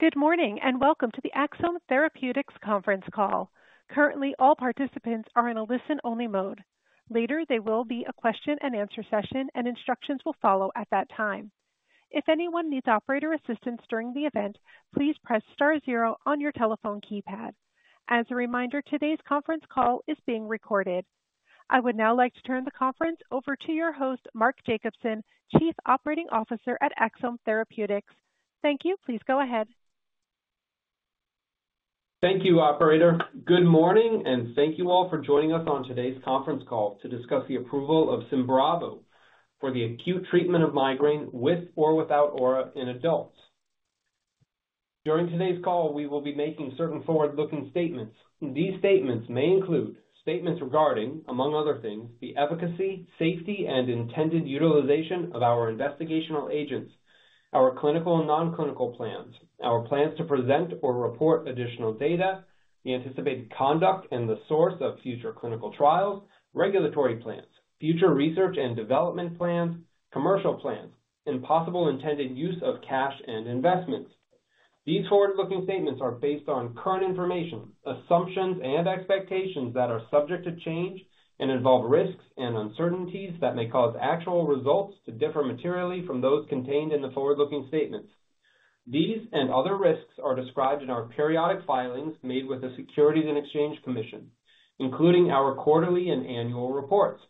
Good morning and welcome to the Axsome Therapeutics conference call. Currently, all participants are in a listen-only mode. Later, there will be a question-and-answer session, and instructions will follow at that time. If anyone needs operator assistance during the event, please press star zero on your telephone keypad. As a reminder, today's conference call is being recorded. I would now like to turn the conference over to your host, Mark Jacobson, Chief Operating Officer at Axsome Therapeutics. Thank you. Please go ahead. Thank you, Operator. Good morning, and thank you all for joining us on today's conference call to discuss the approval of Symbravo for the acute treatment of migraine with or without aura in adults. During today's call, we will be making certain forward-looking statements. These statements may include statements regarding, among other things, the efficacy, safety, and intended utilization of our investigational agents, our clinical and nonclinical plans, our plans to present or report additional data, the anticipated conduct and the source of future clinical trials, regulatory plans, future research and development plans, commercial plans, and possible intended use of cash and investments. These forward-looking statements are based on current information, assumptions, and expectations that are subject to change and involve risks and uncertainties that may cause actual results to differ materially from those contained in the forward-looking statements. These and other risks are described in our periodic filings made with the Securities and Exchange Commission, including our quarterly and annual reports.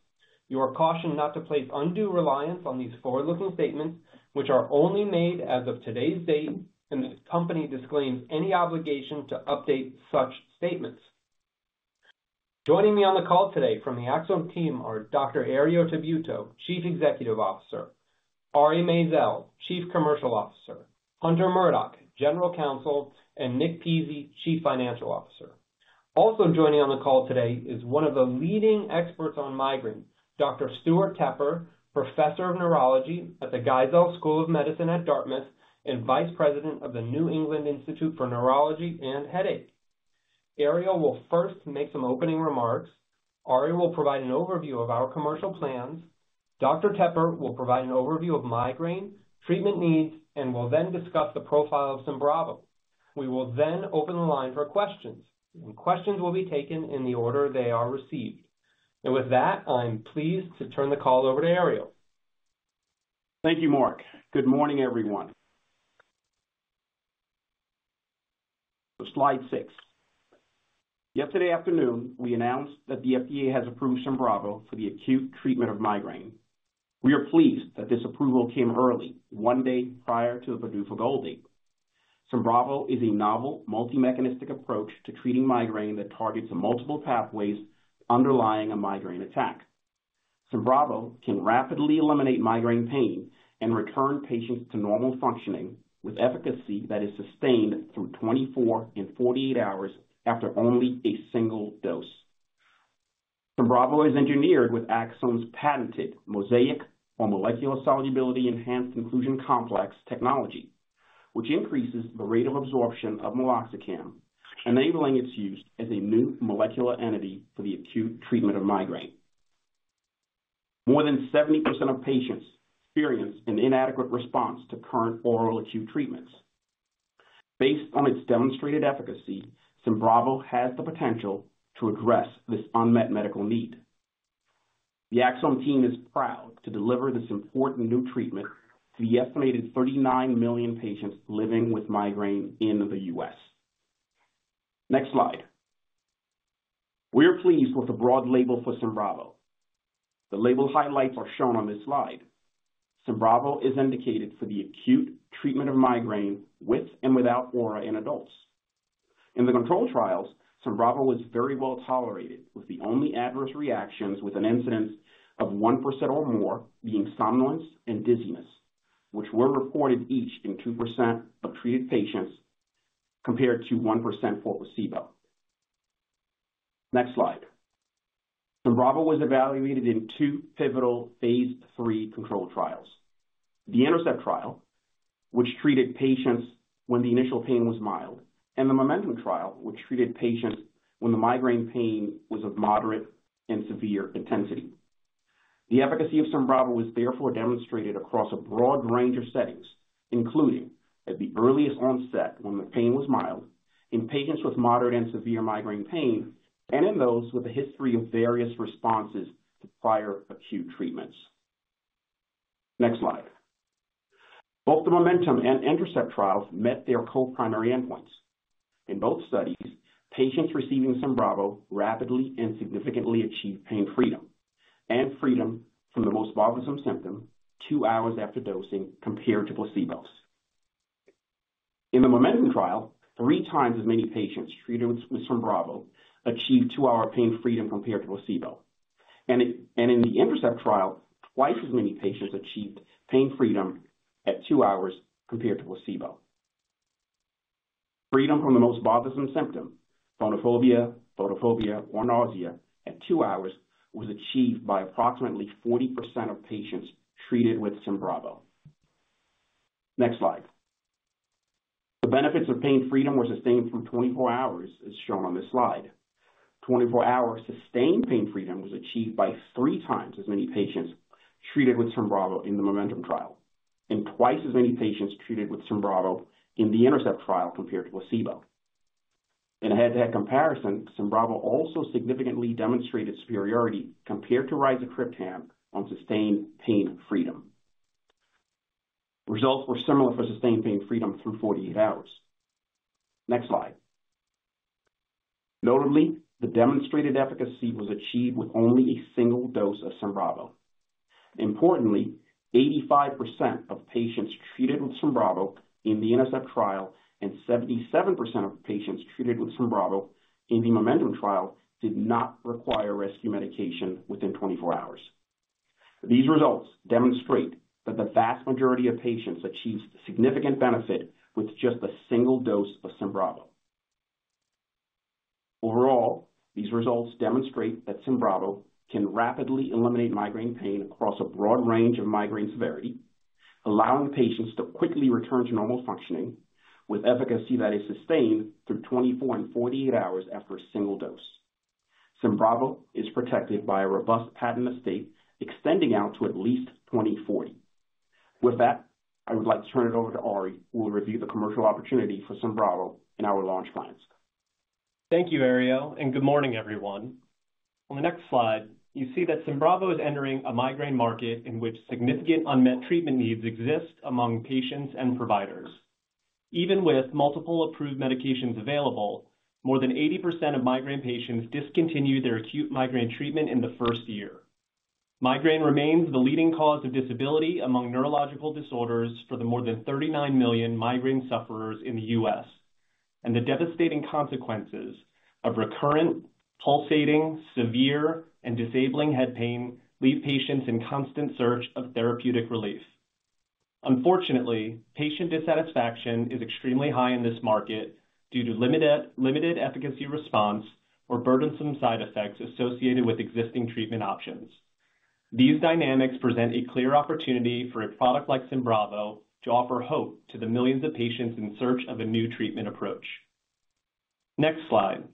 You are cautioned not to place undue reliance on these forward-looking statements, which are only made as of today's date, and the company disclaims any obligation to update such statements. Joining me on the call today from the Axsome team are Dr. Herriot Tabuteau, Chief Executive Officer, Ari Maizel, Chief Commercial Officer, Hunter Murdock, General Counsel, and Nick Pizzie, Chief Financial Officer. Also joining on the call today is one of the leading experts on migraine, Dr. Stewart Tepper, Professor of Neurology at the Geisel School of Medicine at Dartmouth and Vice President of the New England Institute for Neurology and Headache. Herriot will first make some opening remarks. Ari will provide an overview of our commercial plans. Dr. Tepper will provide an overview of migraine treatment needs and will then discuss the profile of Symbravo. We will then open the line for questions, and questions will be taken in the order they are received. And with that, I'm pleased to turn the call over to Herriot. Thank you, Mark. Good morning, everyone. Slide six. Yesterday afternoon, we announced that the FDA has approved Symbravo for the acute treatment of migraine. We are pleased that this approval came early, one day prior to the PDUFA goal date. Symbravo is a novel, multi-mechanistic approach to treating migraine that targets multiple pathways underlying a migraine attack. Symbravo can rapidly eliminate migraine pain and return patients to normal functioning with efficacy that is sustained through 24 and 48 hours after only a single dose. Symbravo is engineered with Axsome's patented MoSEIC, or Molecular Solubility Enhanced Inclusion Complex technology, which increases the rate of absorption of meloxicam, enabling its use as a new molecular entity for the acute treatment of migraine. More than 70% of patients experience an inadequate response to current oral acute treatments. Based on its demonstrated efficacy, Symbravo has the potential to address this unmet medical need. The Axsome team is proud to deliver this important new treatment to the estimated 39 million patients living with migraine in the U.S. Next slide. We are pleased with the broad label for Symbravo. The label highlights are shown on this slide. Symbravo is indicated for the acute treatment of migraine with and without aura in adults. In the controlled trials, Symbravo was very well tolerated, with the only adverse reactions with an incidence of 1% or more being somnolence and dizziness, which were reported each in 2% of treated patients compared to 1% for placebo. Next slide. Symbravo was evaluated in two pivotal phase III controlled trials: the INTERCEPT trial, which treated patients when the initial pain was mild, and the MOMENTUM trial, which treated patients when the migraine pain was of moderate and severe intensity. The efficacy of Symbravo was therefore demonstrated across a broad range of settings, including at the earliest onset when the pain was mild, in patients with moderate and severe migraine pain, and in those with a history of various responses to prior acute treatments. Next slide. Both the MOMENTUM and INTERCEPT trials met their co-primary endpoints. In both studies, patients receiving Symbravo rapidly and significantly achieved pain freedom and freedom from the most bothersome symptom two hours after dosing compared to placebo. In the MOMENTUM trial, three times as many patients treated with Symbravo achieved two-hour pain freedom compared to placebo, and in the INTERCEPT trial, twice as many patients achieved pain freedom at two hours compared to placebo. Freedom from the most bothersome symptom, phonophobia, photophobia, or nausea at two hours, was achieved by approximately 40% of patients treated with Symbravo. Next slide. The benefits of pain freedom were sustained through 24 hours, as shown on this slide. 24-hour sustained pain freedom was achieved by three times as many patients treated with Symbravo in the MOMENTUM trial and twice as many patients treated with Symbravo in the INTERCEPT trial compared to placebo. In a head-to-head comparison, Symbravo also significantly demonstrated superiority compared to rizatriptan on sustained pain freedom. Results were similar for sustained pain freedom through 48 hours. Next slide. Notably, the demonstrated efficacy was achieved with only a single dose of Symbravo. Importantly, 85% of patients treated with Symbravo in the INTERCEPT trial and 77% of patients treated with Symbravo in the MOMENTUM trial did not require rescue medication within 24 hours. These results demonstrate that the vast majority of patients achieved significant benefit with just a single dose of Symbravo. Overall, these results demonstrate that Symbravo can rapidly eliminate migraine pain across a broad range of migraine severity, allowing patients to quickly return to normal functioning with efficacy that is sustained through 24 and 48 hours after a single dose. Symbravo is protected by a robust patent estate extending out to at least 2040. With that, I would like to turn it over to Ari, who will review the commercial opportunity for Symbravo in our launch plans. Thank you, Herriot, and good morning, everyone. On the next slide, you see that Symbravo is entering a migraine market in which significant unmet treatment needs exist among patients and providers. Even with multiple approved medications available, more than 80% of migraine patients discontinue their acute migraine treatment in the first year. Migraine remains the leading cause of disability among neurological disorders for the more than 39 million migraine sufferers in the U.S., and the devastating consequences of recurrent, pulsating, severe, and disabling head pain leave patients in constant search of therapeutic relief. Unfortunately, patient dissatisfaction is extremely high in this market due to limited efficacy response or burdensome side effects associated with existing treatment options. These dynamics present a clear opportunity for a product like Symbravo to offer hope to the millions of patients in search of a new treatment approach. Next slide.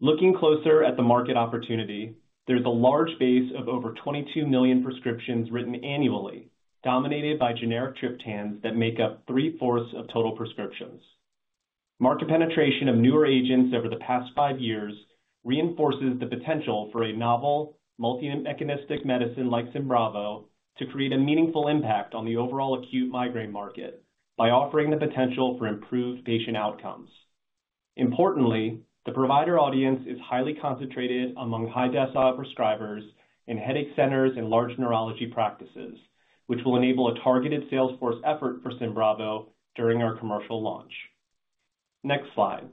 Looking closer at the market opportunity, there's a large base of over 22 million prescriptions written annually, dominated by generic triptans that make up three-fourths of total prescriptions. Market penetration of newer agents over the past five years reinforces the potential for a novel, multi-mechanistic medicine like Symbravo to create a meaningful impact on the overall acute migraine market by offering the potential for improved patient outcomes. Importantly, the provider audience is highly concentrated among high-decile prescribers in headache centers and large neurology practices, which will enable a targeted salesforce effort for Symbravo during our commercial launch. Next slide.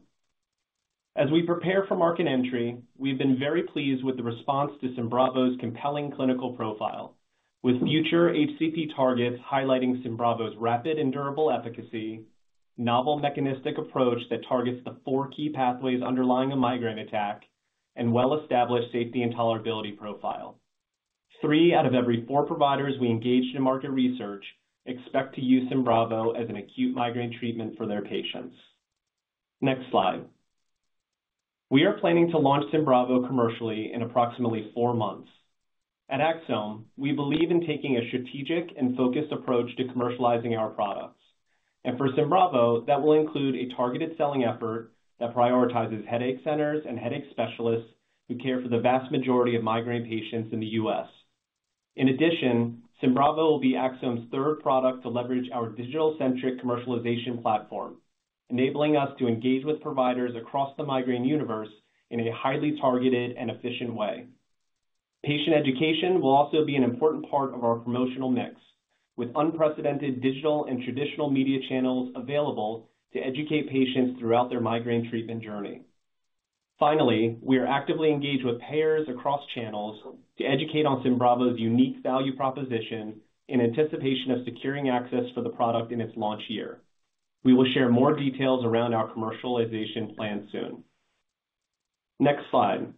As we prepare for market entry, we've been very pleased with the response to Symbravo's compelling clinical profile, with future HCP targets highlighting Symbravo's rapid and durable efficacy, novel mechanistic approach that targets the four key pathways underlying a migraine attack, and well-established safety and tolerability profile. Three out of every four providers we engaged in market research expect to use Symbravo as an acute migraine treatment for their patients. Next slide. We are planning to launch Symbravo commercially in approximately four months. At Axsome, we believe in taking a strategic and focused approach to commercializing our products, and for Symbravo, that will include a targeted selling effort that prioritizes headache centers and headache specialists who care for the vast majority of migraine patients in the U.S. In addition, Symbravo will be Axsome's third product to leverage our digital-centric commercialization platform, enabling us to engage with providers across the migraine universe in a highly targeted and efficient way. Patient education will also be an important part of our promotional mix, with unprecedented digital and traditional media channels available to educate patients throughout their migraine treatment journey. Finally, we are actively engaged with payers across channels to educate on Symbravo's unique value proposition in anticipation of securing access for the product in its launch year. We will share more details around our commercialization plan soon. Next slide.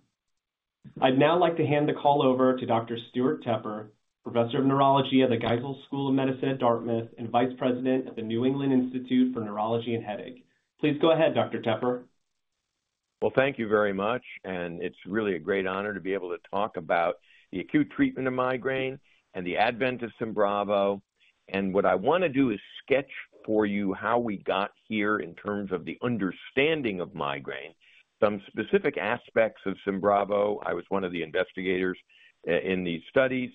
I'd now like to hand the call over to Dr. Stewart Tepper, Professor of Neurology at the Geisel School of Medicine at Dartmouth and Vice President at the New England Institute for Neurology and Headache. Please go ahead, Dr. Tepper. Thank you very much. It's really a great honor to be able to talk about the acute treatment of migraine and the advent of Symbravo. What I want to do is sketch for you how we got here in terms of the understanding of migraine, some specific aspects of Symbravo. I was one of the investigators in these studies,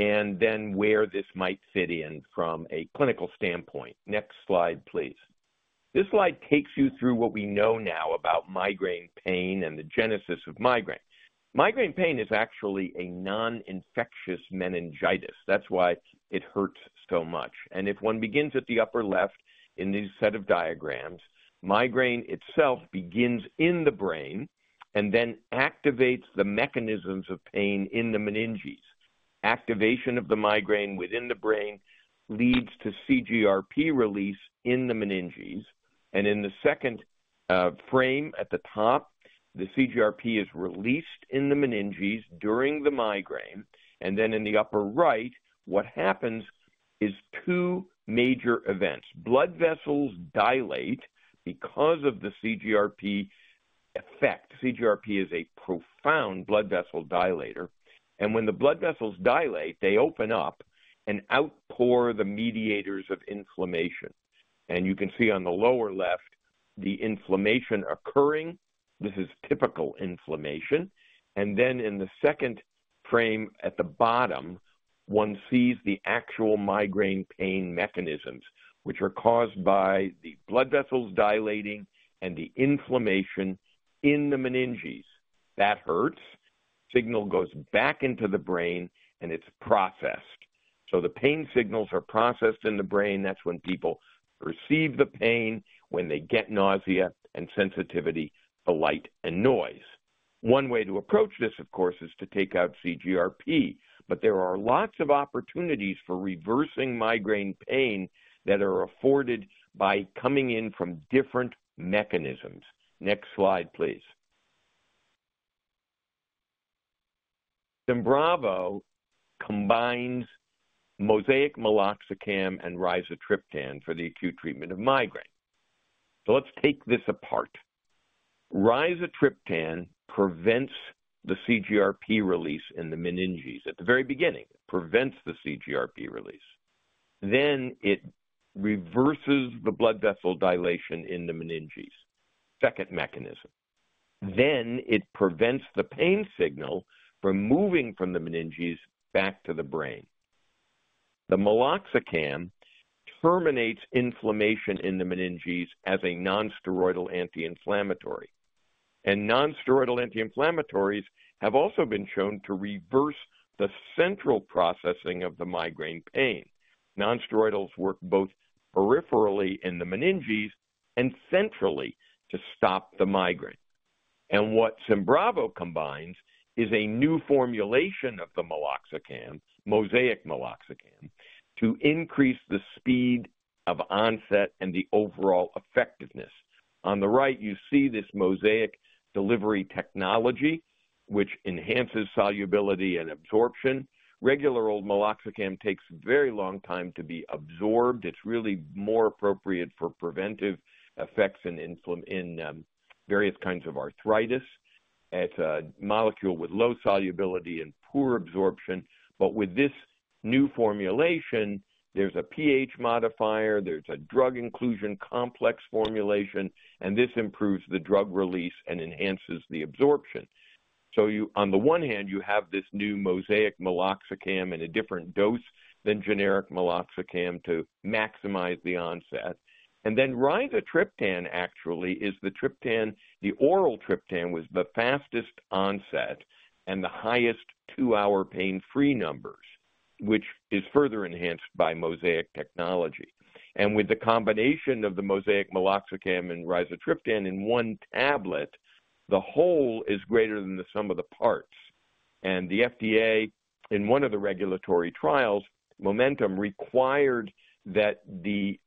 and then where this might fit in from a clinical standpoint. Next slide, please. This slide takes you through what we know now about migraine pain and the genesis of migraine. Migraine pain is actually a non-infectious meningitis. That's why it hurts so much. If one begins at the upper left in this set of diagrams, migraine itself begins in the brain and then activates the mechanisms of pain in the meninges. Activation of the migraine within the brain leads to CGRP release in the meninges. In the second frame at the top, the CGRP is released in the meninges during the migraine. In the upper right, what happens is two major events. Blood vessels dilate because of the CGRP effect. CGRP is a profound blood vessel dilator. When the blood vessels dilate, they open up and outpour the mediators of inflammation. You can see on the lower left the inflammation occurring. This is typical inflammation. In the second frame at the bottom, one sees the actual migraine pain mechanisms, which are caused by the blood vessels dilating and the inflammation in the meninges. That hurts. Signal goes back into the brain and it's processed. The pain signals are processed in the brain. That's when people perceive the pain, when they get nausea and sensitivity to light and noise. One way to approach this, of course, is to take out CGRP, but there are lots of opportunities for reversing migraine pain that are afforded by coming in from different mechanisms. Next slide, please. Symbravo combines MoSEIC meloxicam and rizatriptan for the acute treatment of migraine. So let's take this apart. Rizatriptan prevents the CGRP release in the meninges. At the very beginning, it prevents the CGRP release. Then it reverses the blood vessel dilation in the meninges, second mechanism. Then it prevents the pain signal from moving from the meninges back to the brain. The meloxicam terminates inflammation in the meninges as a non-steroidal anti-inflammatory, and non-steroidal anti-inflammatories have also been shown to reverse the central processing of the migraine pain. Non-steroidals work both peripherally in the meninges and centrally to stop the migraine. What Symbravo combines is a new formulation of the meloxicam, MoSEIC meloxicam, to increase the speed of onset and the overall effectiveness. On the right, you see this MoSEIC delivery technology, which enhances solubility and absorption. Regular old meloxicam takes a very long time to be absorbed. It's really more appropriate for preventive effects in various kinds of arthritis. It's a molecule with low solubility and poor absorption. But with this new formulation, there's a pH modifier, there's a drug inclusion complex formulation, and this improves the drug release and enhances the absorption. So on the one hand, you have this new MoSEIC meloxicam at a different dose than generic meloxicam to maximize the onset. And then rizatriptan actually is the triptan, the oral triptan with the fastest onset and the highest two-hour pain-free numbers, which is further enhanced by MoSEIC technology. With the combination of the MoSEIC meloxicam and rizatriptan in one tablet, the whole is greater than the sum of the parts. The FDA, in one of the regulatory trials, MOMENTUM required that the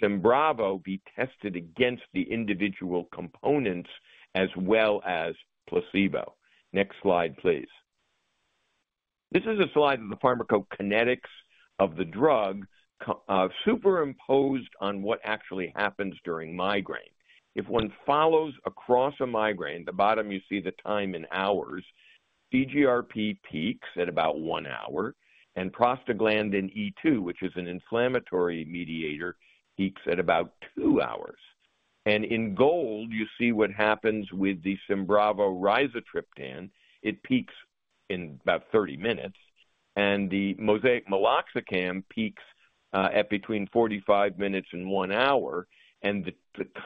Symbravo be tested against the individual components as well as placebo. Next slide, please. This is a slide of the pharmacokinetics of the drug, superimposed on what actually happens during migraine. If one follows across a migraine, at the bottom you see the time in hours. CGRP peaks at about one hour, and prostaglandin E2, which is an inflammatory mediator, peaks at about two hours. In gold, you see what happens with the Symbravo rizatriptan. It peaks in about 30 minutes, and the MoSEIC meloxicam peaks at between 45 minutes and one hour. The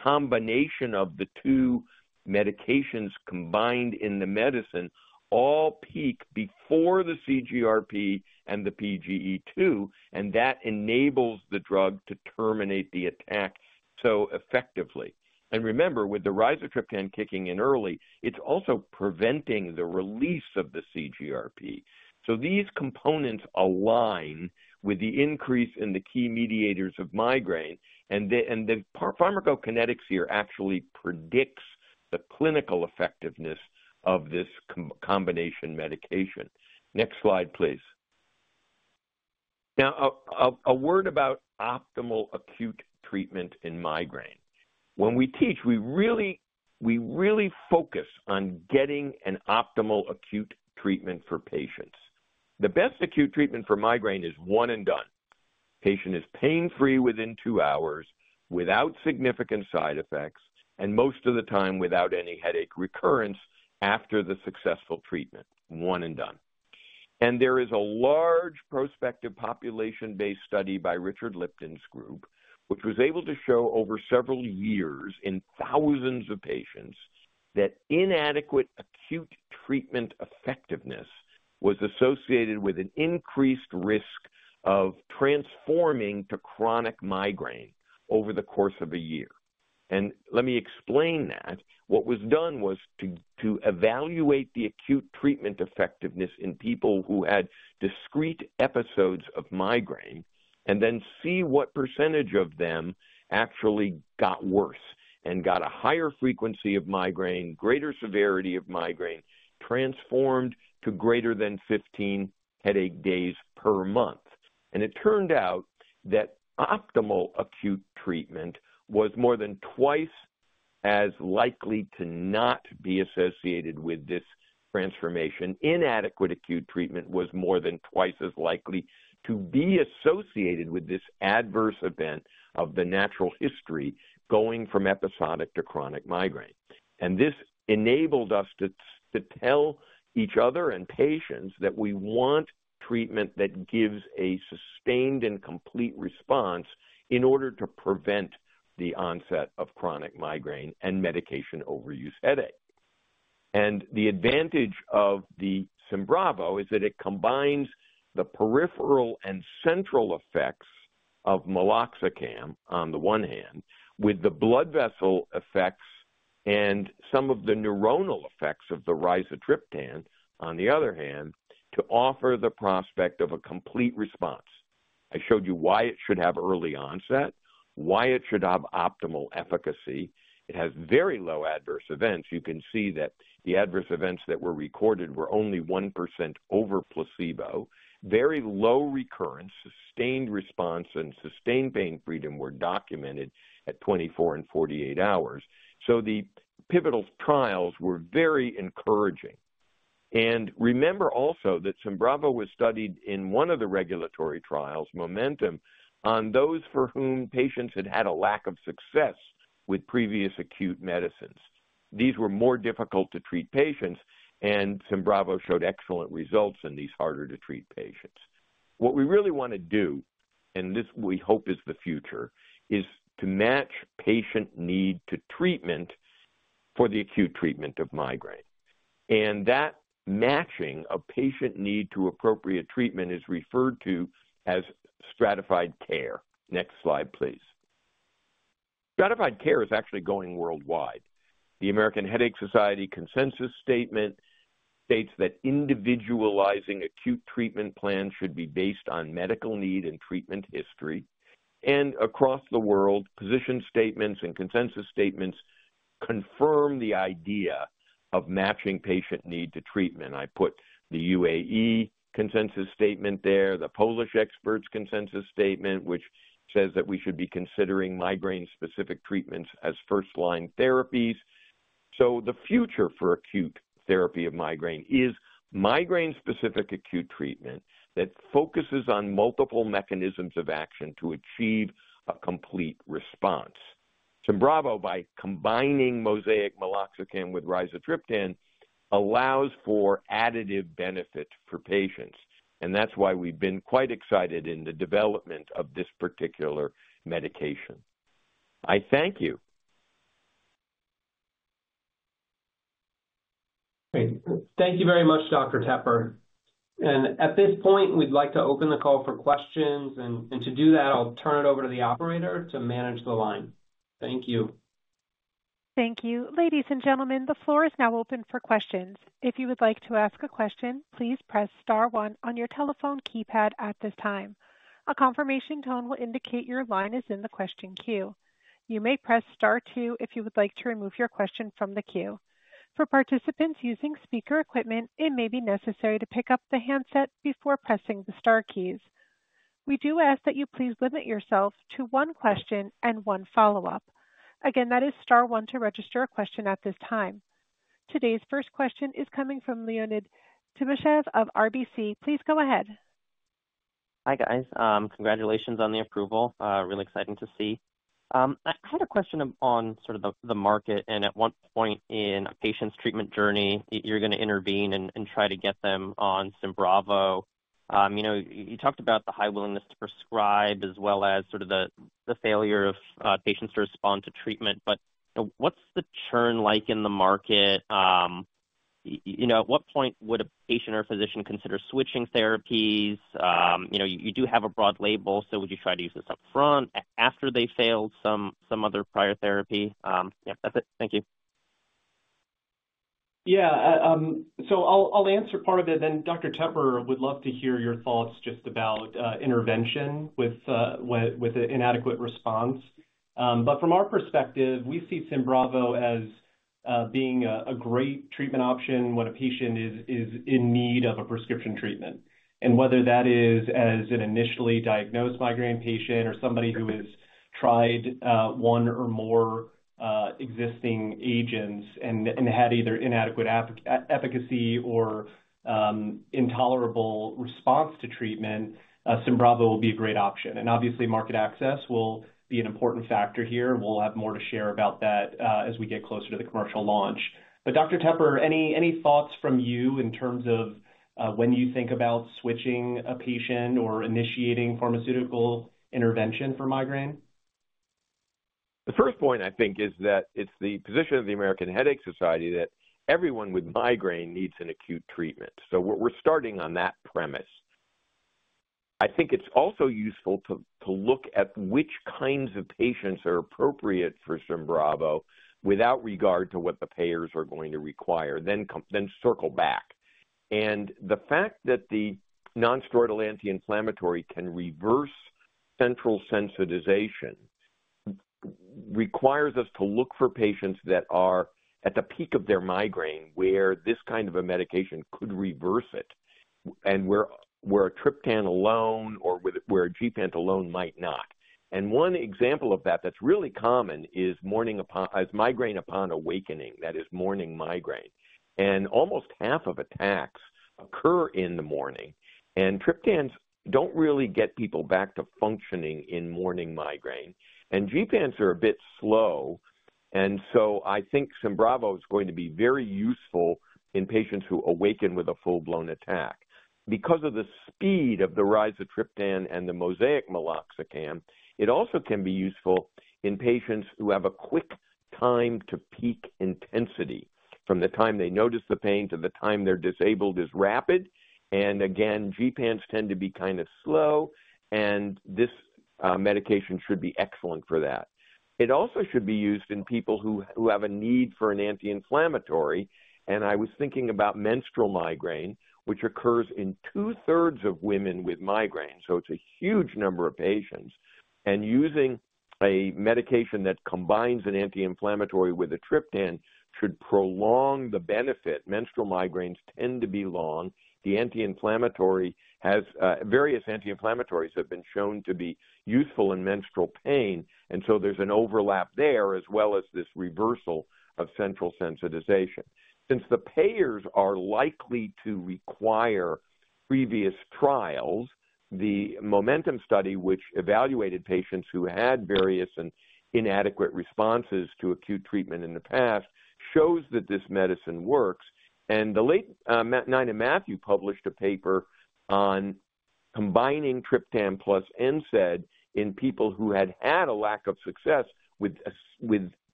combination of the two medications combined in the medicine all peak before the CGRP and the PGE2, and that enables the drug to terminate the attack so effectively. Remember, with the rizatriptan kicking in early, it's also preventing the release of the CGRP. These components align with the increase in the key mediators of migraine. The pharmacokinetics here actually predicts the clinical effectiveness of this combination medication. Next slide, please. Now, a word about optimal acute treatment in migraine. When we teach, we really focus on getting an optimal acute treatment for patients. The best acute treatment for migraine is one and done. Patient is pain-free within two hours without significant side effects, and most of the time without any headache recurrence after the successful treatment. One and done. There is a large prospective population-based study by Richard Lipton's group, which was able to show over several years in thousands of patients that inadequate acute treatment effectiveness was associated with an increased risk of transforming to chronic migraine over the course of a year. Let me explain that. What was done was to evaluate the acute treatment effectiveness in people who had discrete episodes of migraine and then see what percentage of them actually got worse and got a higher frequency of migraine, greater severity of migraine, transformed to greater than 15 headache days per month. It turned out that optimal acute treatment was more than twice as likely to not be associated with this transformation. Inadequate acute treatment was more than twice as likely to be associated with this adverse event of the natural history going from episodic to chronic migraine. This enabled us to tell each other and patients that we want treatment that gives a sustained and complete response in order to prevent the onset of chronic migraine and medication overuse headache. And the advantage of the Symbravo is that it combines the peripheral and central effects of meloxicam on the one hand with the blood vessel effects and some of the neuronal effects of the rizatriptan on the other hand to offer the prospect of a complete response. I showed you why it should have early onset, why it should have optimal efficacy. It has very low adverse events. You can see that the adverse events that were recorded were only 1% over placebo. Very low recurrence, sustained response, and sustained pain freedom were documented at 24 and 48 hours. So the pivotal trials were very encouraging. Remember also that Symbravo was studied in one of the regulatory trials, MOMENTUM, on those for whom patients had had a lack of success with previous acute medicines. These were more difficult to treat patients, and Symbravo showed excellent results in these harder-to-treat patients. What we really want to do, and this we hope is the future, is to match patient need to treatment for the acute treatment of migraine. That matching of patient need to appropriate treatment is referred to as stratified care. Next slide, please. Stratified care is actually going worldwide. The American Headache Society consensus statement states that individualizing acute treatment plans should be based on medical need and treatment history. Across the world, position statements and consensus statements confirm the idea of matching patient need to treatment. I put the UAE consensus statement there, the Polish experts' consensus statement, which says that we should be considering migraine-specific treatments as first-line therapies. So the future for acute therapy of migraine is migraine-specific acute treatment that focuses on multiple mechanisms of action to achieve a complete response. Symbravo, by combining MoSEIC meloxicam with rizatriptan, allows for additive benefit for patients. And that's why we've been quite excited in the development of this particular medication. I thank you. Thank you very much, Dr. Tepper, and at this point, we'd like to open the call for questions, and to do that, I'll turn it over to the operator to manage the line. Thank you. Thank you. Ladies and gentlemen, the floor is now open for questions. If you would like to ask a question, please press star one on your telephone keypad at this time. A confirmation tone will indicate your line is in the question queue. You may press star two if you would like to remove your question from the queue. For participants using speaker equipment, it may be necessary to pick up the handset before pressing the star keys. We do ask that you please limit yourself to one question and one follow-up. Again, that is star one to register a question at this time. Today's first question is coming from Leonid Timashev of RBC. Please go ahead. Hi guys. Congratulations on the approval. Really exciting to see. I had a question on sort of the market and at one point in a patient's treatment journey, you're going to intervene and try to get them on Symbravo. You talked about the high willingness to prescribe as well as sort of the failure of patients to respond to treatment. But what's the churn like in the market? At what point would a patient or a physician consider switching therapies? You do have a broad label, so would you try to use this upfront after they failed some other prior therapy? Yeah, that's it. Thank you. Yeah. So I'll answer part of it. And Dr. Tepper would love to hear your thoughts just about intervention with an inadequate response. But from our perspective, we see Symbravo as being a great treatment option when a patient is in need of a prescription treatment. And whether that is as an initially diagnosed migraine patient or somebody who has tried one or more existing agents and had either inadequate efficacy or intolerable response to treatment, Symbravo will be a great option. And obviously, market access will be an important factor here. We'll have more to share about that as we get closer to the commercial launch. But Dr. Tepper, any thoughts from you in terms of when you think about switching a patient or initiating pharmaceutical intervention for migraine? The first point I think is that it's the position of the American Headache Society that everyone with migraine needs an acute treatment, so we're starting on that premise. I think it's also useful to look at which kinds of patients are appropriate for Symbravo without regard to what the payers are going to require, then circle back, and the fact that the non-steroidal anti-inflammatory can reverse central sensitization requires us to look for patients that are at the peak of their migraine where this kind of a medication could reverse it and where a triptan alone or where a gepant alone might not, and one example of that that's really common is migraine upon awakening, that is morning migraine, and almost half of attacks occur in the morning, and triptans don't really get people back to functioning in morning migraine, and gepants are a bit slow. And so I think Symbravo is going to be very useful in patients who awaken with a full-blown attack. Because of the speed of the rizatriptan and the MoSEIC meloxicam, it also can be useful in patients who have a quick time to peak intensity from the time they notice the pain to the time they're disabled is rapid. And again, gepants tend to be kind of slow, and this medication should be excellent for that. It also should be used in people who have a need for an anti-inflammatory. And I was thinking about menstrual migraine, which occurs in two-thirds of women with migraine. So it's a huge number of patients. And using a medication that combines an anti-inflammatory with a triptan should prolong the benefit. Menstrual migraines tend to be long. Various anti-inflammatories have been shown to be useful in menstrual pain. And so there's an overlap there as well as this reversal of central sensitization. Since the payers are likely to require previous trials, the momentum study, which evaluated patients who had various inadequate responses to acute treatment in the past, shows that this medicine works. And the late Ninan Mathew published a paper on combining triptan plus NSAID in people who had had a lack of success with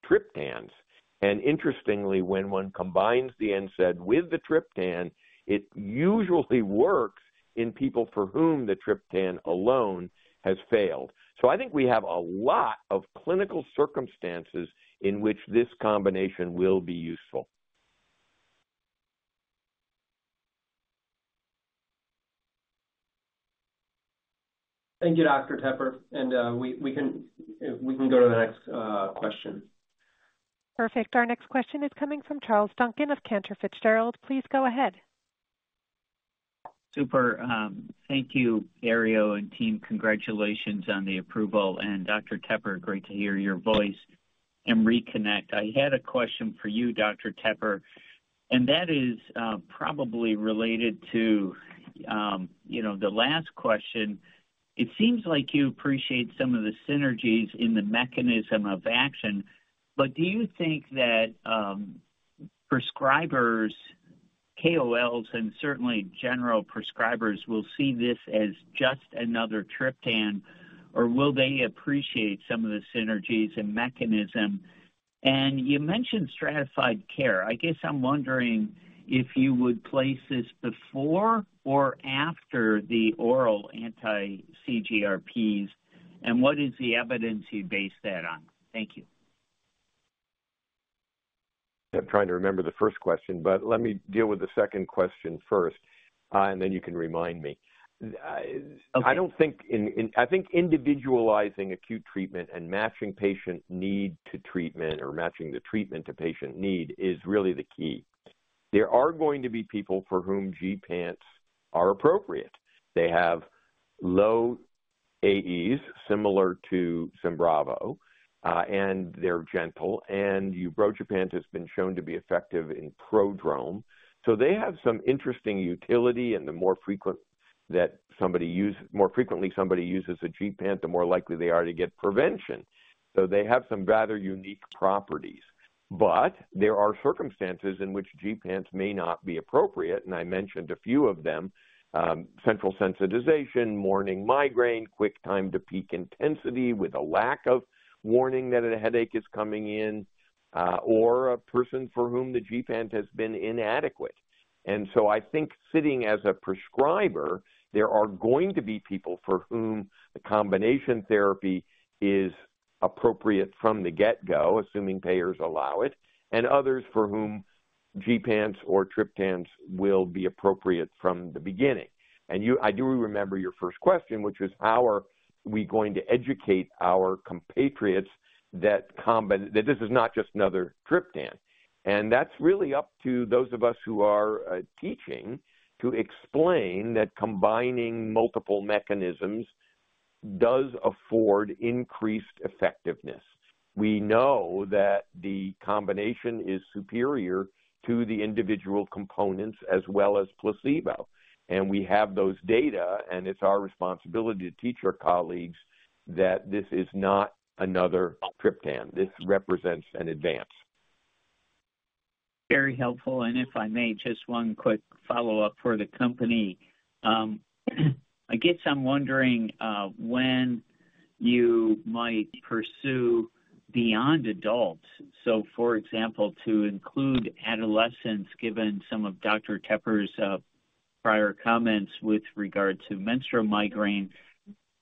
triptans. And interestingly, when one combines the NSAID with the triptan, it usually works in people for whom the triptan alone has failed. So I think we have a lot of clinical circumstances in which this combination will be useful. Thank you, Dr. Tepper, and we can go to the next question. Perfect. Our next question is coming from Charles Duncan of Cantor Fitzgerald. Please go ahead. Super. Thank you, Herriot and team. Congratulations on the approval. Dr. Tepper, great to hear your voice and reconnect. I had a question for you, Dr. Tepper, and that is probably related to the last question. It seems like you appreciate some of the synergies in the mechanism of action. But do you think that prescribers, KOLs, and certainly general prescribers will see this as just another triptan, or will they appreciate some of the synergies and mechanism? You mentioned stratified care. I guess I'm wondering if you would place this before or after the oral anti-CGRPs, and what is the evidence you'd base that on? Thank you. I'm trying to remember the first question, but let me deal with the second question first, and then you can remind me. I think individualizing acute treatment and matching patient need to treatment or matching the treatment to patient need is really the key. There are going to be people for whom gepants are appropriate. They have low AEs, similar to Symbravo, and they're gentle. And ubrogepant has been shown to be effective in prodrome. So they have some interesting utility. And the more frequent that somebody uses a gepant, the more likely they are to get prevention. So they have some rather unique properties. But there are circumstances in which gepants may not be appropriate. I mentioned a few of them: central sensitization, morning migraine, quick time to peak intensity with a lack of warning that a headache is coming in, or a person for whom the gepant has been inadequate. So I think sitting as a prescriber, there are going to be people for whom the combination therapy is appropriate from the get-go, assuming payers allow it, and others for whom gepants or triptans will be appropriate from the beginning. I do remember your first question, which was, how are we going to educate our compatriots that this is not just another triptan? That's really up to those of us who are teaching to explain that combining multiple mechanisms does afford increased effectiveness. We know that the combination is superior to the individual components as well as placebo. And we have those data, and it's our responsibility to teach our colleagues that this is not another triptan. This represents an advance. Very helpful. And if I may, just one quick follow-up for the company. I guess I'm wondering when you might pursue beyond adults. So for example, to include adolescents, given some of Dr. Tepper's prior comments with regard to menstrual migraine,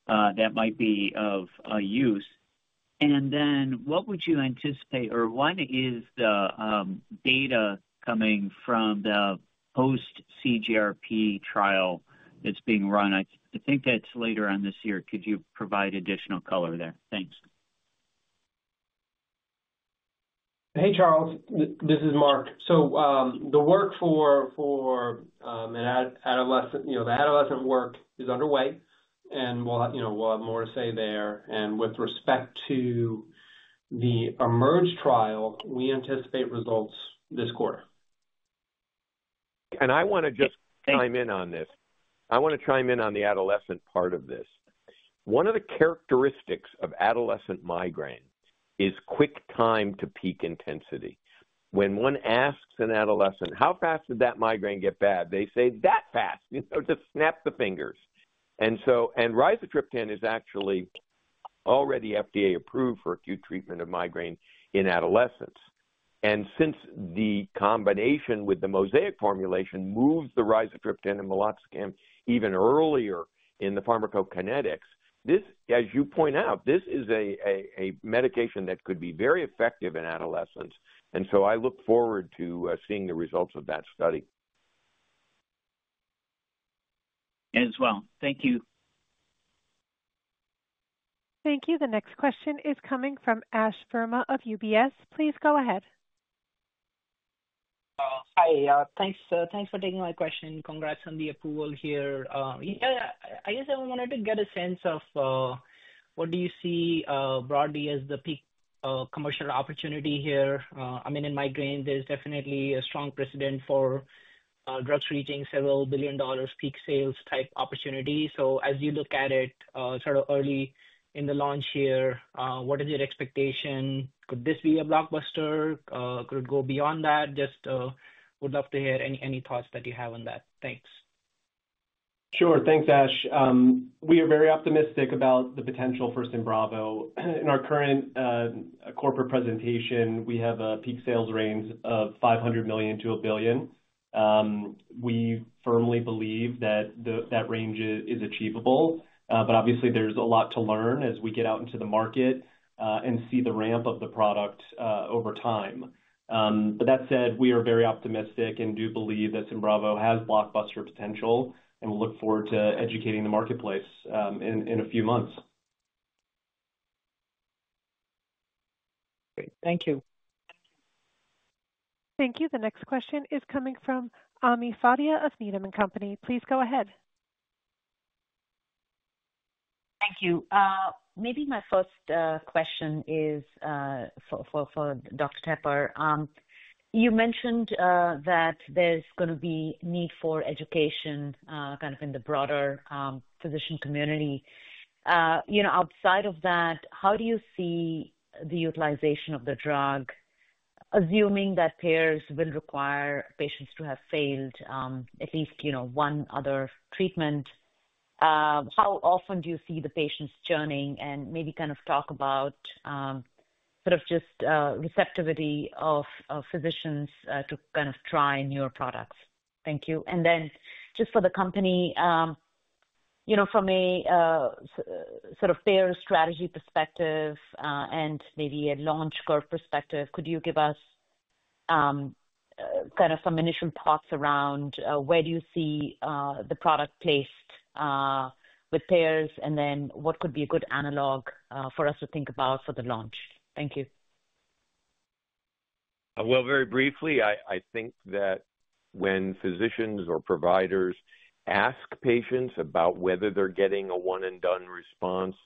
that might be of use. And then what would you anticipate, or when is the data coming from the post-CGRP trial that's being run? I think that's later on this year. Could you provide additional color there? Thanks. Hey, Charles. This is Mark. So the work for the adolescent work is underway, and we'll have more to say there. And with respect to the EMERGE trial, we anticipate results this quarter. I want to just chime in on this. I want to chime in on the adolescent part of this. One of the characteristics of adolescent migraine is quick time to peak intensity. When one asks an adolescent, "How fast did that migraine get bad?" they say, "That fast," just snap the fingers and so rizatriptan is actually already FDA approved for acute treatment of migraine in adolescents. Since the combination with the MoSEIC formulation moves the rizatriptan and meloxicam even earlier in the pharmacokinetics, as you point out, this is a medication that could be very effective in adolescents. I look forward to seeing the results of that study. As well. Thank you. Thank you. The next question is coming from Ash Verma of UBS. Please go ahead. Hi. Thanks for taking my question. Congrats on the approval here. I guess I wanted to get a sense of what do you see broadly as the peak commercial opportunity here. I mean, in migraine, there's definitely a strong precedent for drugs reaching several billion dollars peak sales type opportunity. So as you look at it sort of early in the launch here, what is your expectation? Could this be a blockbuster? Could it go beyond that? Just would love to hear any thoughts that you have on that. Thanks. Sure. Thanks, Ash. We are very optimistic about the potential for Symbravo. In our current corporate presentation, we have a peak sales range of $500 million to $1 billion. We firmly believe that that range is achievable. But obviously, there's a lot to learn as we get out into the market and see the ramp of the product over time. But that said, we are very optimistic and do believe that Symbravo has blockbuster potential and will look forward to educating the marketplace in a few months. Great. Thank you. Thank you. The next question is coming from Ami Fadia of Needham & Company. Please go ahead. Thank you. Maybe my first question is for Dr. Tepper. You mentioned that there's going to be need for education kind of in the broader physician community. Outside of that, how do you see the utilization of the drug, assuming that payers will require patients to have failed at least one other treatment? How often do you see the patients churning and maybe kind of talk about sort of just receptivity of physicians to kind of try newer products? Thank you. And then just for the company, from a sort of payer strategy perspective and maybe a launch curve perspective, could you give us kind of some initial thoughts around where do you see the product placed with payers, and then what could be a good analog for us to think about for the launch? Thank you. Very briefly, I think that when physicians or providers ask patients about whether they're getting a one-and-done response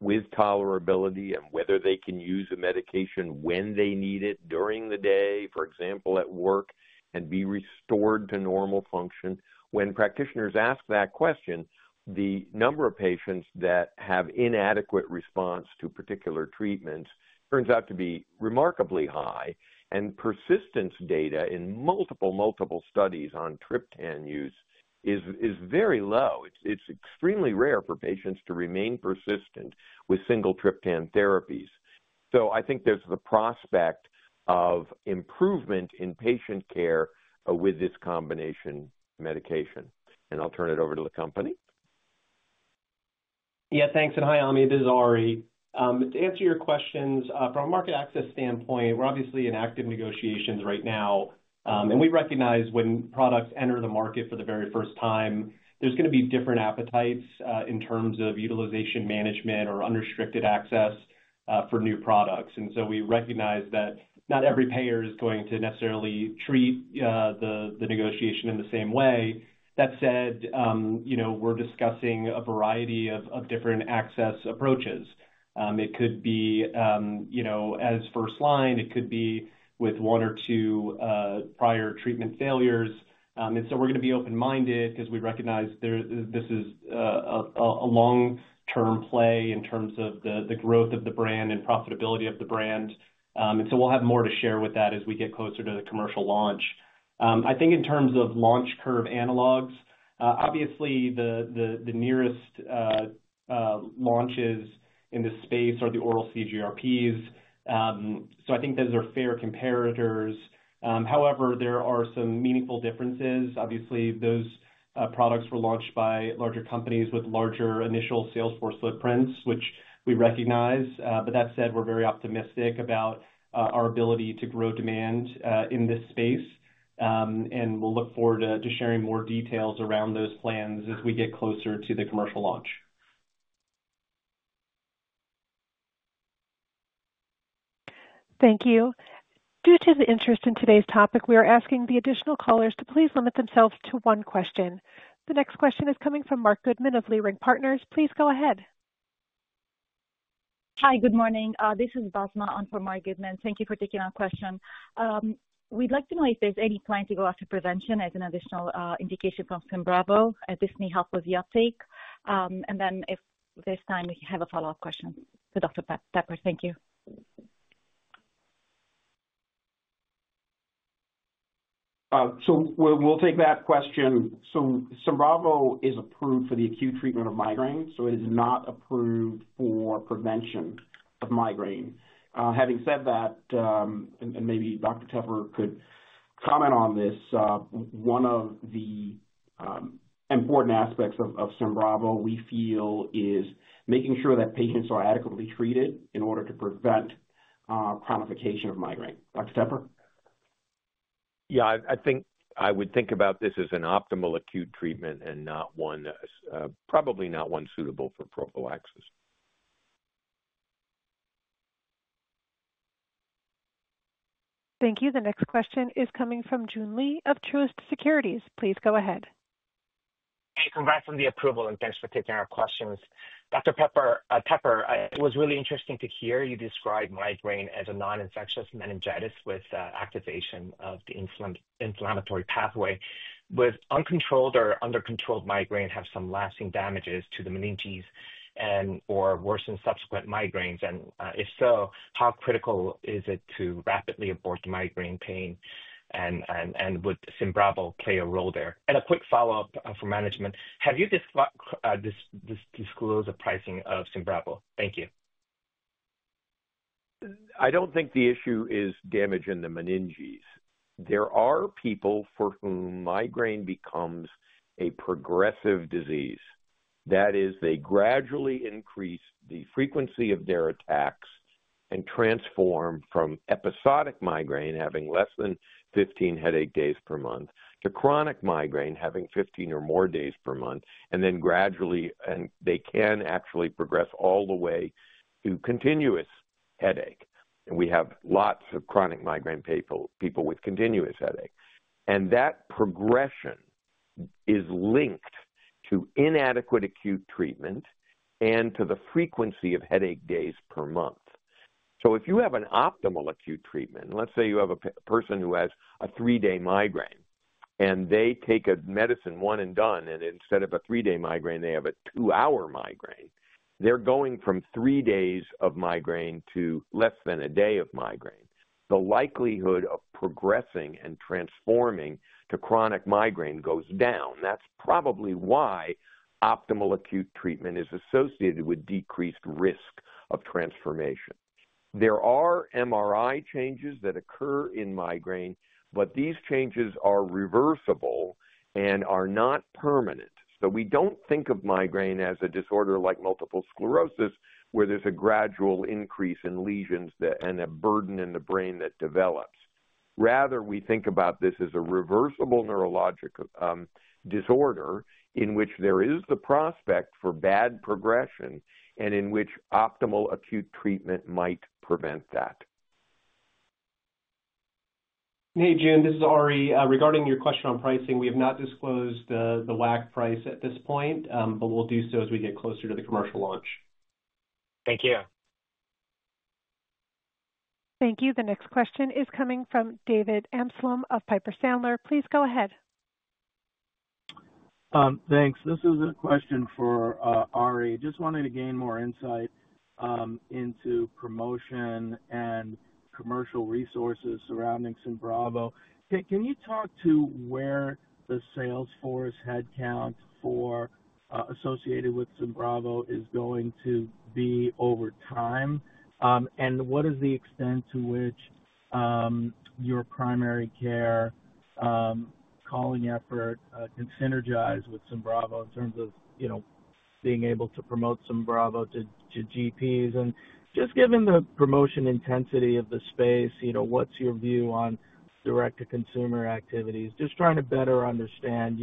with tolerability and whether they can use a medication when they need it during the day, for example, at work, and be restored to normal function, when practitioners ask that question, the number of patients that have inadequate response to particular treatments turns out to be remarkably high. And persistence data in multiple studies on triptan use is very low. It's extremely rare for patients to remain persistent with single triptan therapies. So I think there's the prospect of improvement in patient care with this combination medication. And I'll turn it over to the company. Yeah, thanks. And hi, Ami. This is Ari. To answer your questions, from a market access standpoint, we're obviously in active negotiations right now. And we recognize when products enter the market for the very first time, there's going to be different appetites in terms of utilization management or unrestricted access for new products. And so we recognize that not every payer is going to necessarily treat the negotiation in the same way. That said, we're discussing a variety of different access approaches. It could be as first line. It could be with one or two prior treatment failures. And so we're going to be open-minded because we recognize this is a long-term play in terms of the growth of the brand and profitability of the brand. And so we'll have more to share with that as we get closer to the commercial launch. I think in terms of launch curve analogs, obviously, the nearest launches in this space are the oral CGRPs. So I think those are fair comparators. However, there are some meaningful differences. Obviously, those products were launched by larger companies with larger initial sales force footprints, which we recognize. But that said, we're very optimistic about our ability to grow demand in this space. And we'll look forward to sharing more details around those plans as we get closer to the commercial launch. Thank you. Due to the interest in today's topic, we are asking the additional callers to please limit themselves to one question. The next question is coming from Marc Goodman of Leerink Partners. Please go ahead. Hi, good morning. This is Basma, analyst for Marc Goodman. Thank you for taking our question. We'd like to know if there's any plan to go after prevention as an additional indication from Symbravo, as this may help with the uptake, and then if there's time, we have a follow-up question for Dr. Tepper. Thank you. So we'll take that question. So Symbravo is approved for the acute treatment of migraine, so it is not approved for prevention of migraine. Having said that, and maybe Dr. Tepper could comment on this, one of the important aspects of Symbravo we feel is making sure that patients are adequately treated in order to prevent chronification of migraine. Dr. Tepper? Yeah, I think I would think about this as an optimal acute treatment and probably not one suitable for prophylaxis. Thank you. The next question is coming from Joon Lee of Truist Securities. Please go ahead. Hey, congrats on the approval, and thanks for taking our questions. Dr. Tepper, it was really interesting to hear you describe migraine as a non-infectious meningitis with activation of the inflammatory pathway. With uncontrolled or under-controlled migraine, have some lasting damages to the meninges and/or worsened subsequent migraines? And if so, how critical is it to rapidly abort migraine pain? And would Symbravo play a role there? And a quick follow-up for management. Have you disclosed the pricing of Symbravo? Thank you. I don't think the issue is damage in the meninges. There are people for whom migraine becomes a progressive disease. That is, they gradually increase the frequency of their attacks and transform from episodic migraine, having less than 15 headache days per month, to chronic migraine, having 15 or more days per month, and then gradually, and they can actually progress all the way to continuous headache. And we have lots of chronic migraine people with continuous headache. And that progression is linked to inadequate acute treatment and to the frequency of headache days per month. So if you have an optimal acute treatment, let's say you have a person who has a three-day migraine, and they take a medicine one and done, and instead of a three-day migraine, they have a two-hour migraine, they're going from three days of migraine to less than a day of migraine. The likelihood of progressing and transforming to chronic migraine goes down. That's probably why optimal acute treatment is associated with decreased risk of transformation. There are MRI changes that occur in migraine, but these changes are reversible and are not permanent. So we don't think of migraine as a disorder like multiple sclerosis, where there's a gradual increase in lesions and a burden in the brain that develops. Rather, we think about this as a reversible neurologic disorder in which there is the prospect for bad progression and in which optimal acute treatment might prevent that. Hey, Joon. This is Ari. Regarding your question on pricing, we have not disclosed the WAC price at this point, but we'll do so as we get closer to the commercial launch. Thank you. Thank you. The next question is coming from David Amsellem of Piper Sandler. Please go ahead. Thanks. This is a question for Ari. Just wanted to gain more insight into promotion and commercial resources surrounding Symbravo. Can you talk to where the sales force headcount associated with Symbravo is going to be over time? And what is the extent to which your primary care calling effort can synergize with Symbravo in terms of being able to promote Symbravo to GPs? And just given the promotion intensity of the space, what's your view on direct-to-consumer activities? Just trying to better understand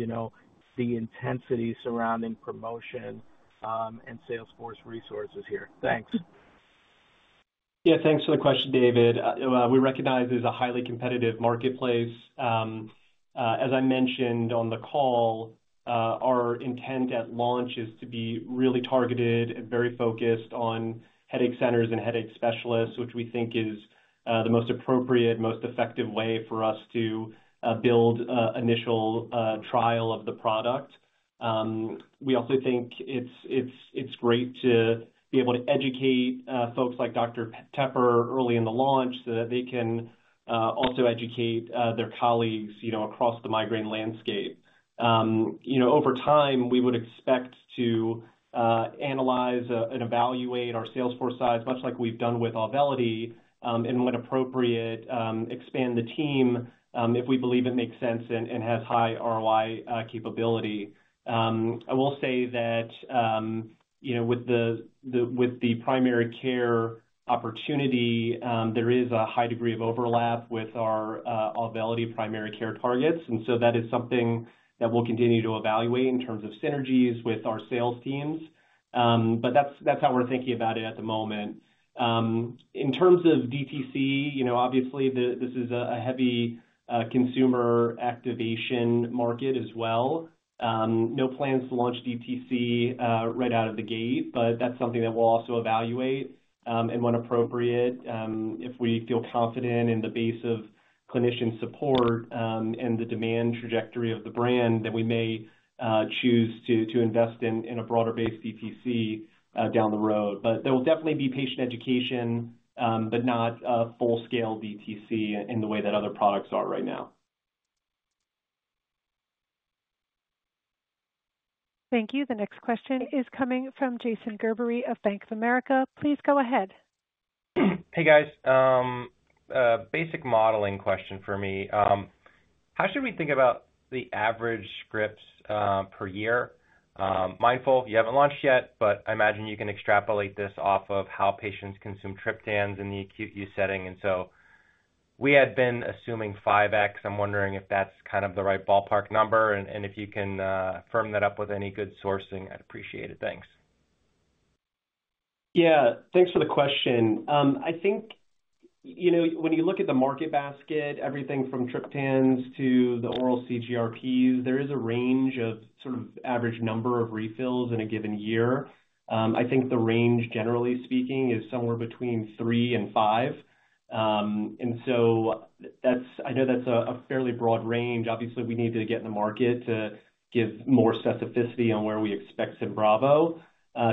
the intensity surrounding promotion and sales force resources here. Thanks. Yeah, thanks for the question, David. We recognize it's a highly competitive marketplace. As I mentioned on the call, our intent at launch is to be really targeted and very focused on headache centers and headache specialists, which we think is the most appropriate, most effective way for us to build an initial trial of the product. We also think it's great to be able to educate folks like Dr. Tepper early in the launch so that they can also educate their colleagues across the migraine landscape. Over time, we would expect to analyze and evaluate our sales force size, much like we've done with Auvelity, and when appropriate, expand the team if we believe it makes sense and has high ROI capability. I will say that with the primary care opportunity, there is a high degree of overlap with our Auvelity primary care targets. And so that is something that we'll continue to evaluate in terms of synergies with our sales teams. But that's how we're thinking about it at the moment. In terms of DTC, obviously, this is a heavy consumer activation market as well. No plans to launch DTC right out of the gate, but that's something that we'll also evaluate. And when appropriate, if we feel confident in the base of clinician support and the demand trajectory of the brand, then we may choose to invest in a broader-based DTC down the road. But there will definitely be patient education, but not a full-scale DTC in the way that other products are right now. Thank you. The next question is coming from Jason Gerberry of Bank of America. Please go ahead. Hey, guys. Basic modeling question for me. How should we think about the average scripts per year? Mindful, you haven't launched yet, but I imagine you can extrapolate this off of how patients consume triptans in the acute use setting. And so we had been assuming 5x. I'm wondering if that's kind of the right ballpark number. And if you can firm that up with any good sourcing, I'd appreciate it. Thanks. Yeah, thanks for the question. I think when you look at the market basket, everything from triptans to the oral CGRPs, there is a range of sort of average number of refills in a given year. I think the range, generally speaking, is somewhere between three and five. And so I know that's a fairly broad range. Obviously, we need to get in the market to give more specificity on where we expect Symbravo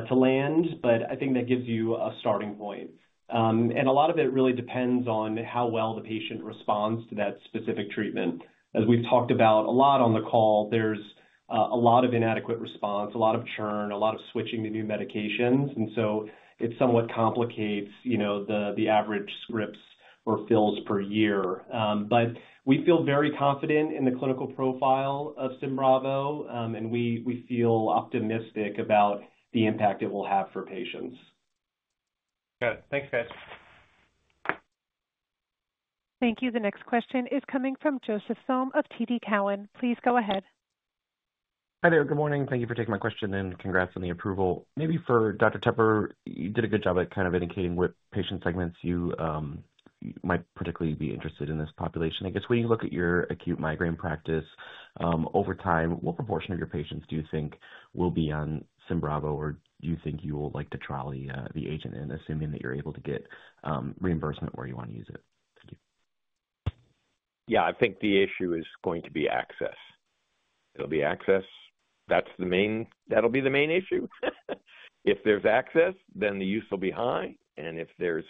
to land, but I think that gives you a starting point. And a lot of it really depends on how well the patient responds to that specific treatment. As we've talked about a lot on the call, there's a lot of inadequate response, a lot of churn, a lot of switching to new medications. And so it somewhat complicates the average scripts or fills per year. But we feel very confident in the clinical profile of Symbravo, and we feel optimistic about the impact it will have for patients. Good. Thanks, guys. Thank you. The next question is coming from Joseph Thome of TD Cowen. Please go ahead. Hi there. Good morning. Thank you for taking my question and congrats on the approval. Maybe for Dr. Tepper, you did a good job at kind of indicating what patient segments you might particularly be interested in this population. I guess when you look at your acute migraine practice over time, what proportion of your patients do you think will be on Symbravo, or do you think you will like to trial the agent in, assuming that you're able to get reimbursement where you want to use it? Thank you. Yeah, I think the issue is going to be access. It'll be access. That'll be the main issue. If there's access, then the use will be high. And if there's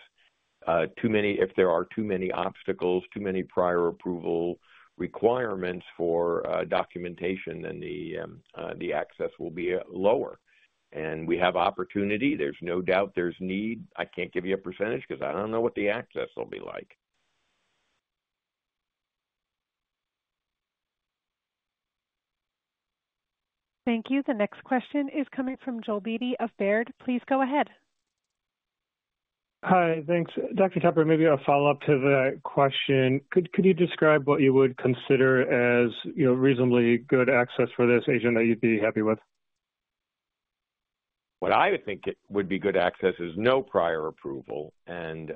too many, if there are too many obstacles, too many prior approval requirements for documentation, then the access will be lower. And we have opportunity. There's no doubt there's need. I can't give you a percentage because I don't know what the access will be like. Thank you. The next question is coming from Joel Beatty of Baird. Please go ahead. Hi, thanks. Dr. Tepper, maybe a follow-up to the question. Could you describe what you would consider as reasonably good access for this agent that you'd be happy with? What I would think would be good access is no prior approval. And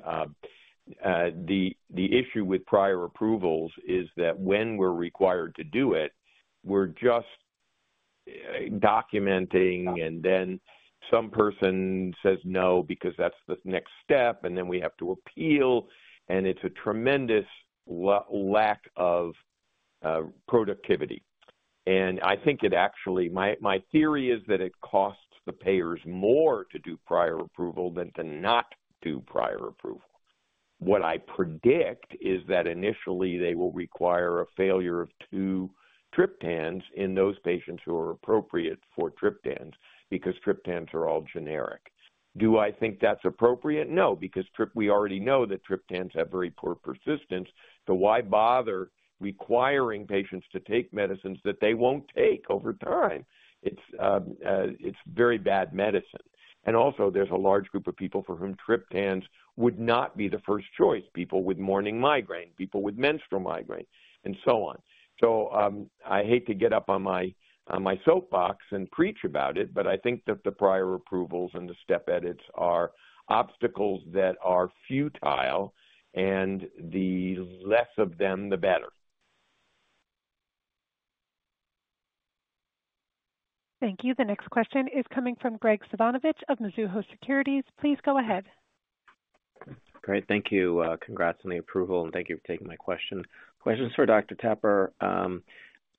the issue with prior approvals is that when we're required to do it, we're just documenting, and then some person says no because that's the next step, and then we have to appeal, and it's a tremendous lack of productivity. And I think it actually, my theory is that it costs the payers more to do prior approval than to not do prior approval. What I predict is that initially they will require a failure of two triptans in those patients who are appropriate for triptans because triptans are all generic. Do I think that's appropriate? No, because we already know that triptans have very poor persistence. So why bother requiring patients to take medicines that they won't take over time? It's very bad medicine. And also, there's a large group of people for whom triptans would not be the first choice: people with morning migraine, people with menstrual migraine, and so on. So I hate to get up on my soapbox and preach about it, but I think that the prior approvals and the step edits are obstacles that are futile, and the less of them, the better. Thank you. The next question is coming from Graig Suvannavejh of Mizuho Securities. Please go ahead. Great. Thank you. Congrats on the approval, and thank you for taking my question. Questions for Dr. Tepper.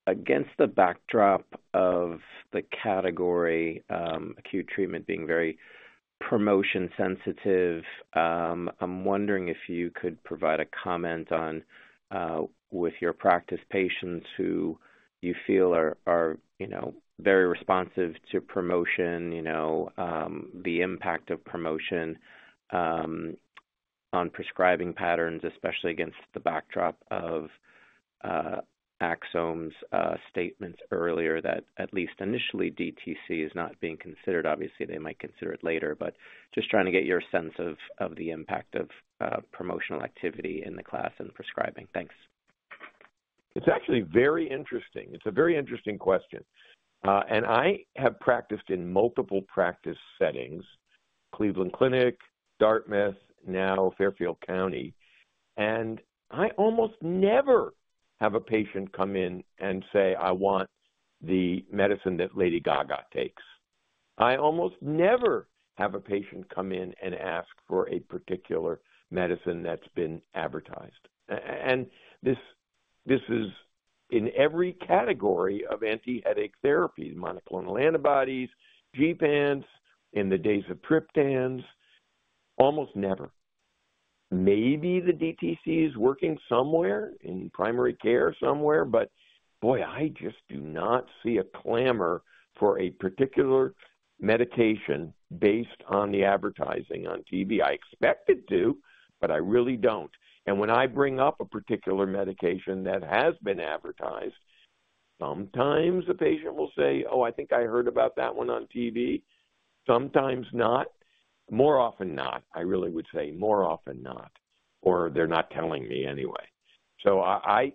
Against the backdrop of the category acute treatment being very promotion sensitive, I'm wondering if you could provide a comment on with your practice patients who you feel are very responsive to promotion, the impact of promotion on prescribing patterns, especially against the backdrop of Axsome's statements earlier that at least initially DTC is not being considered. Obviously, they might consider it later, but just trying to get your sense of the impact of promotional activity in the class and prescribing. Thanks. It's actually very interesting. It's a very interesting question, and I have practiced in multiple practice settings: Cleveland Clinic, Dartmouth, now Fairfield County. I almost never have a patient come in and say, "I want the medicine that Lady Gaga takes." I almost never have a patient come in and ask for a particular medicine that's been advertised, and this is in every category of anti-headache therapy: monoclonal antibodies, gepants, in the days of triptans, almost never. Maybe the DTC is working somewhere in primary care somewhere, but boy, I just do not see a clamor for a particular medication based on the advertising on TV. I expect it to, but I really don't, and when I bring up a particular medication that has been advertised, sometimes the patient will say, "Oh, I think I heard about that one on TV." Sometimes not. More often not. I really would say more often not, or they're not telling me anyway. So I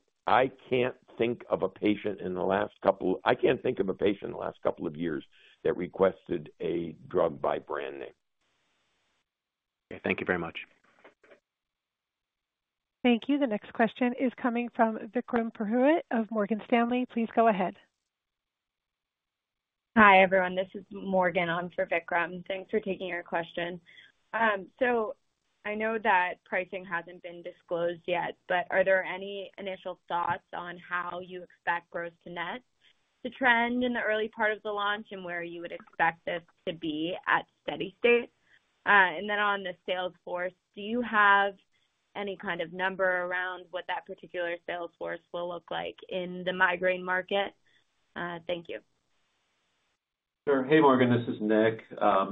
can't think of a patient in the last couple of years that requested a drug by brand name. Okay. Thank you very much. Thank you. The next question is coming from Vikram Purohit of Morgan Stanley. Please go ahead. Hi, everyone. This is Morgan. I'm for Vikram. Thanks for taking your question. So I know that pricing hasn't been disclosed yet, but are there any initial thoughts on how you expect gross to net to trend in the early part of the launch and where you would expect this to be at steady state? And then on the sales force, do you have any kind of number around what that particular sales force will look like in the migraine market? Thank you. Sure. Hey, Morgan. This is Nick. Yeah,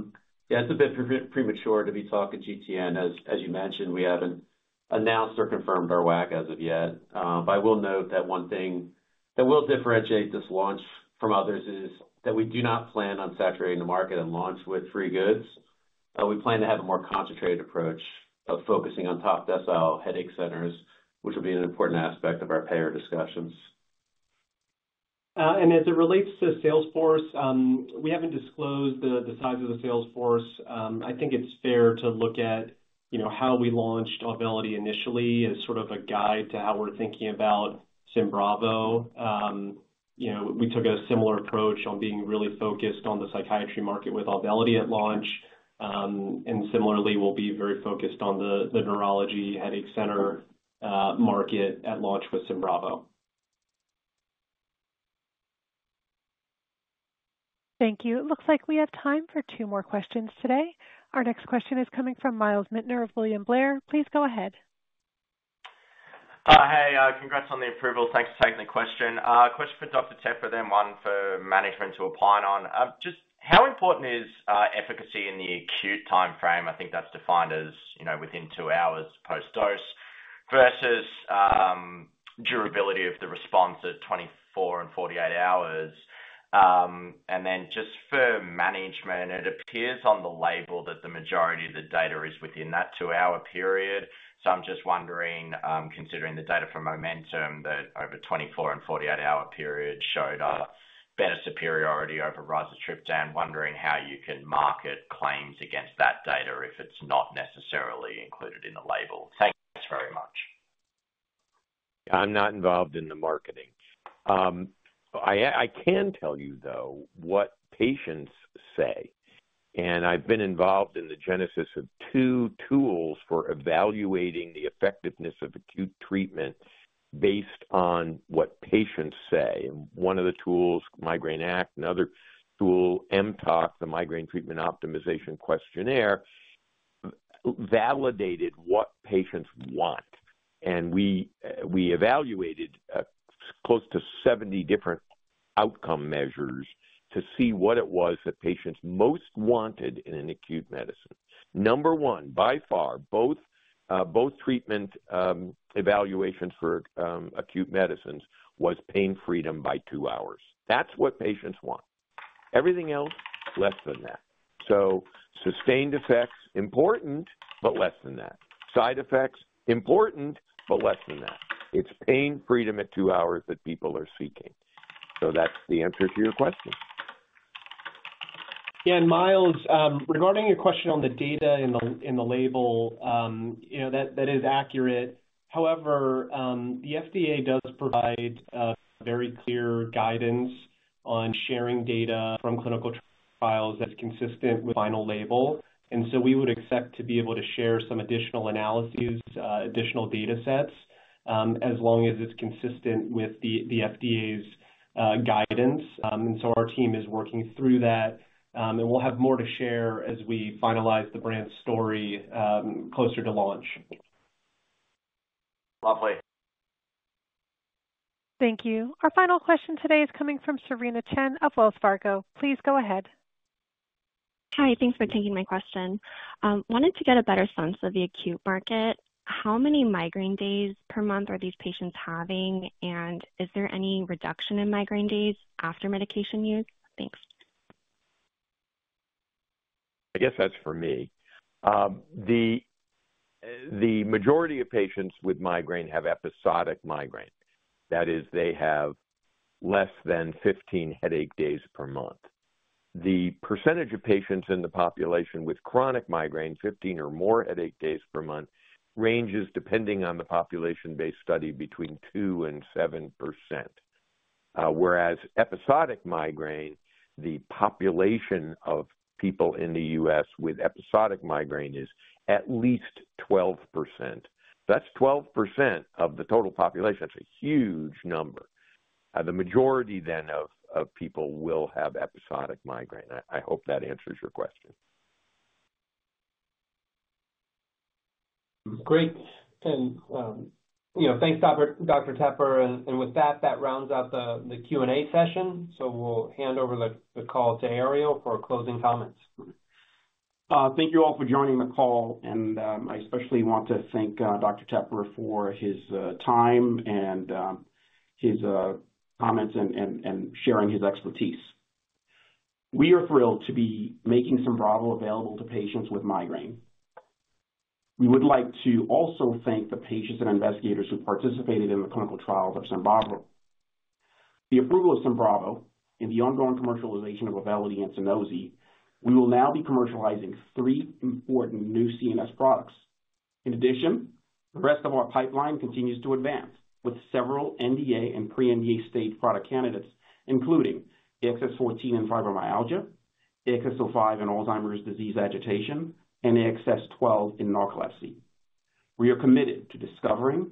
it's a bit premature to be talking GTN. As you mentioned, we haven't announced or confirmed our WAC as of yet. But I will note that one thing that will differentiate this launch from others is that we do not plan on saturating the market and launch with free goods. We plan to have a more concentrated approach of focusing on top decile headache centers, which will be an important aspect of our payer discussions. And as it relates to sales force, we haven't disclosed the size of the sales force. I think it's fair to look at how we launched Auvelity initially as sort of a guide to how we're thinking about Symbravo. We took a similar approach on being really focused on the psychiatry market with Auvelity at launch. And similarly, we'll be very focused on the neurology headache center market at launch with Symbravo. Thank you. It looks like we have time for two more questions today. Our next question is coming from Myles Minter of William Blair. Please go ahead. Hi. Congrats on the approval. Thanks for taking the question. Question for Dr. Tepper, then one for management to opine on. Just how important is efficacy in the acute timeframe? I think that's defined as within two hours post-dose versus durability of the response at 24 and 48 hours. And then just for management, it appears on the label that the majority of the data is within that two-hour period. So I'm just wondering, considering the data for MOMENTUM that over the 24 and 48-hour period showed a better superiority over rizatriptan, wondering how you can market claims against that data if it's not necessarily included in the label. Thanks very much. I'm not involved in the marketing. I can tell you, though, what patients say. And I've been involved in the genesis of two tools for evaluating the effectiveness of acute treatment based on what patients say. And one of the tools, Migraine-ACT, and another tool, mTOQ, the Migraine Treatment Optimization Questionnaire, validated what patients want. And we evaluated close to 70 different outcome measures to see what it was that patients most wanted in an acute medicine. Number one, by far, both treatment evaluations for acute medicines was pain freedom by two hours. That's what patients want. Everything else, less than that. So sustained effects, important, but less than that. Side effects, important, but less than that. It's pain freedom at two hours that people are seeking. So that's the answer to your question. Yeah. And Myles, regarding your question on the data in the label, that is accurate. However, the FDA does provide very clear guidance on sharing data from clinical trials that's consistent with final label. And so we would expect to be able to share some additional analyses, additional data sets, as long as it's consistent with the FDA's guidance. And so our team is working through that. And we'll have more to share as we finalize the brand story closer to launch. Lovely. Thank you. Our final question today is coming from Serena Chen of Wells Fargo. Please go ahead. Hi. Thanks for taking my question. Wanted to get a better sense of the acute market. How many migraine days per month are these patients having? And is there any reduction in migraine days after medication use? Thanks. I guess that's for me. The majority of patients with migraine have episodic migraine. That is, they have less than 15 headache days per month. The percentage of patients in the population with chronic migraine, 15 or more headache days per month, ranges depending on the population-based study between 2% and 7%. Whereas episodic migraine, the population of people in the U.S. with episodic migraine is at least 12%. That's 12% of the total population. That's a huge number. The majority then of people will have episodic migraine. I hope that answers your question. Great, and thanks, Dr. Tepper. With that, that rounds out the Q&A session, so we'll hand over the call to Herriot for closing comments. Thank you all for joining the call. I especially want to thank Dr. Tepper for his time and his comments and sharing his expertise. We are thrilled to be making Symbravo available to patients with migraine. We would like to also thank the patients and investigators who participated in the clinical trials of Symbravo. The approval of Symbravo and the ongoing commercialization of Auvelity and Sunosi, we will now be commercializing three important new CNS products. In addition, the rest of our pipeline continues to advance with several NDA and pre-NDA stage product candidates, including AXS-14 in fibromyalgia, AXS-05 in Alzheimer's disease agitation, and AXS-12 in narcolepsy. We are committed to discovering,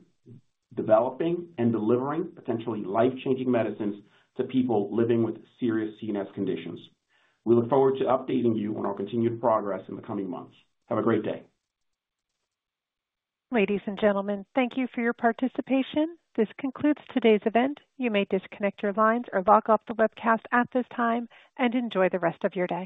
developing, and delivering potentially life-changing medicines to people living with serious CNS conditions. We look forward to updating you on our continued progress in the coming months. Have a great day. Ladies and gentlemen, thank you for your participation. This concludes today's event. You may disconnect your lines or log off the webcast at this time and enjoy the rest of your day.